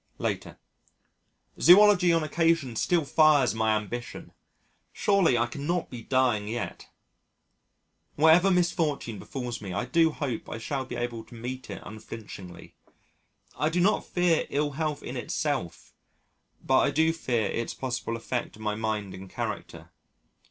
Later: ... Zoology on occasion still fires my ambition! Surely I cannot be dying yet. Whatever misfortune befalls me I do hope I shall be able to meet it unflinchingly. I do not fear ill health in itself, but I do fear its possible effect on my mind and character....